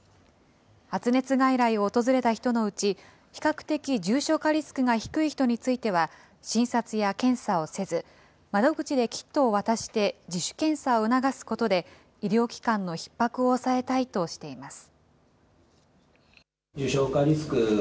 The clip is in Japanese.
発熱外来を訪れた人のうち、比較的重症化リスクが低い人については、診察や検査をせず、窓口でキットを渡して自主検査を促すことで、医療機関のひっ迫を抑えたいとしています。